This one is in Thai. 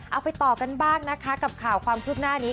เอาไปต่อกันบ้างนะคะกับข่าวความคืบหน้านี้